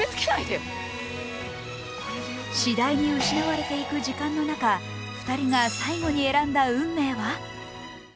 次第に失われていく時間の中、２人が最後に選んだ運命は。